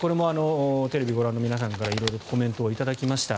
テレビをご覧の皆さんから色々コメントを頂きました。